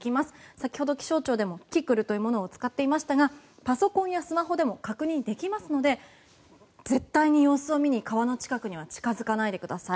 先ほど気象庁でもキキクルというものを使っていましたがパソコンやスマホでも確認できますので絶対に様子を見に、川の近くには近付かないでください。